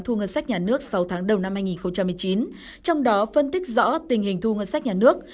thu ngân sách nhà nước sáu tháng đầu năm hai nghìn một mươi chín trong đó phân tích rõ tình hình thu ngân sách nhà nước